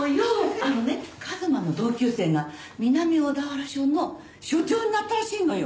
あのね一馬の同級生が南小田原署の署長になったらしいのよ。